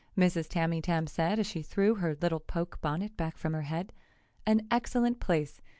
Mrs. Tamytam said, as she threw her little poke bonnet back from her head. "An excellent place!"